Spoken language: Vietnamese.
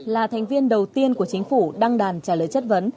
là thành viên đầu tiên của chính phủ đăng đàn trả lời chất vấn